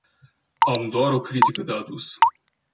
Am doar o critică de adus.